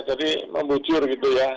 jadi membujur gitu ya